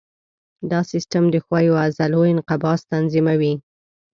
دا سیستم د ښویو عضلو انقباض تنظیموي.